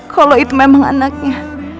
kalau itu memang anaknya